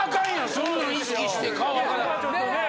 そんなん意識して顔赤なって。